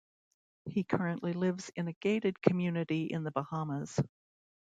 He currently lives in a gated community in the Bahamas.